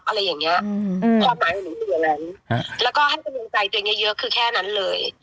พ่อหมายถึงอะไรแล้วก็ให้กำลังใจตัวเองเยอะคือแค่นั้นเลย